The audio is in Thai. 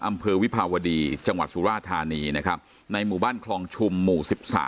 อำเภอวิภาวดีจสุราธานีในหมูบ้านคลองชุมหมู่๑๓